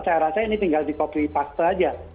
saya rasa ini tinggal di copy paste aja